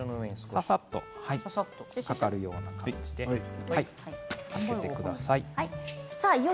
ささっと、かかるような感じで入れてください。